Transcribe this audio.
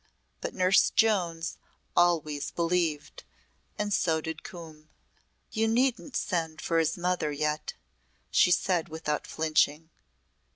But Nurse Jones always believed and so did Coombe. "You needn't send for his mother yet," she said without flinching.